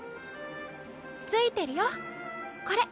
付いてるよこれ。